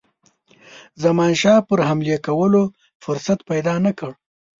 زمانشاه پر حملې کولو فرصت پیدا نه کړي.